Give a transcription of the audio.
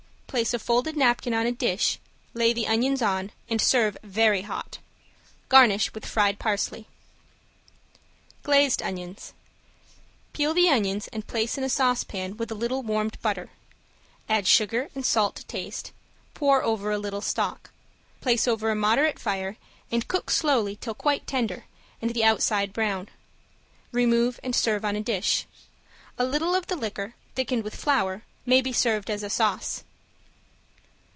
Place a folded napkin on a dish, lay the onions on, and serve very hot. Garnish with fried parsley. ~GLAZED ONIONS~ Peel the onions and place in a saucepan with a little warmed butter, add sugar and salt to taste, pour over a little stock. Place over a moderate fire and cook slowly till quite tender and the outside brown. Remove and serve on a dish. A little of the liquor, thickened with flour, may be served as a sauce.